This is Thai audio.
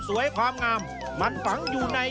ด้วยความมั่นใจว่า